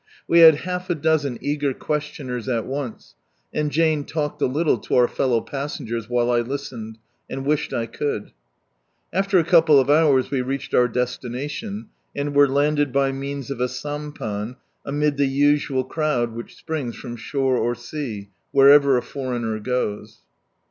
We had half a dozen eager questioners at once, and Jane talked a little to our fellow passengers, while I listened, and wished I could, After a couple of hours we reached our destination, and were landed by means of a sampan, amid the usual crowd which springs from shore or sea, wherever a foreigner goes.